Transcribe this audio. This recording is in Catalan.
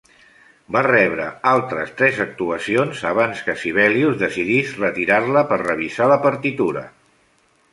Va rebre altres tres actuacions abans que Sibelius decidís retirar-la per revisar la partitura.